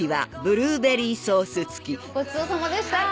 ごちそうさまでした。